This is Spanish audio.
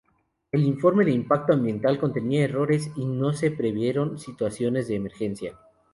El informe de impacto ambiental contenía errores y no se previeron situaciones de emergencia.